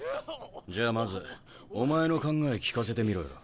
じゃあまずお前の考え聞かせてみろよ。